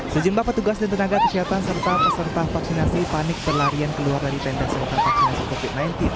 sejumlah petugas dan tenaga kesehatan serta peserta vaksinasi panik berlarian keluar dari tenda selokan vaksinasi covid sembilan belas